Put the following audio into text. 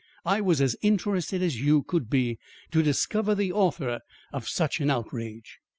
I was as interested as you could be to discover the author of such an outrage."